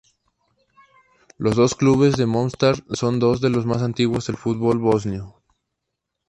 Los dos clubes de Mostar son dos de los más antiguos del fútbol bosnio.